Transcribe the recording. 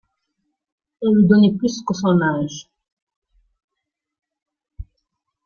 On lui donneait plus que son âge.